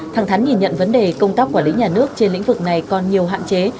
thẳng thắn nhìn nhận vấn đề công tác quản lý nhà nước trên lĩnh vực này còn nhiều hạn chế